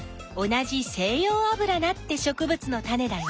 同じセイヨウアブラナってしょくぶつのタネだよ。